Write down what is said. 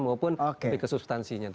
maupun ke substansinya